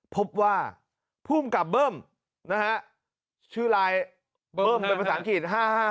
พบว่าผู้กลับเบิ่มชื่อไลน์เบิ่มเป็นภาษาอังกฤษ๕๕๕